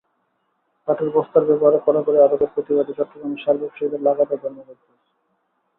পাটের বস্তার ব্যবহারে কড়াকড়ি আরোপের প্রতিবাদে চট্টগ্রামে সার ব্যবসায়ীদের লাগাতার ধর্মঘট চলছে।